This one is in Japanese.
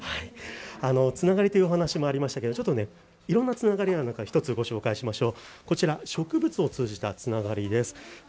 つながりというお話もありましたが、いろんなつながりの１つをお伝えしましょう。